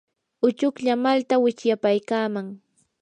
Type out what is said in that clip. uchuklla malta wichyapaykaaman.